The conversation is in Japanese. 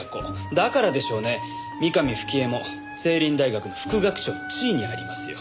だからでしょうね三上冨貴江も成林大学の副学長の地位にありますよ。